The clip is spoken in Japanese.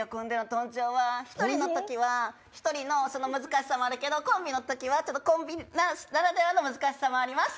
１人の時は１人の難しさもあるけどコンビの時はコンビならではの難しさもあります。